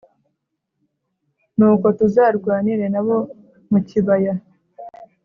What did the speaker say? Nuko tuzarwanire na bo mu kibaya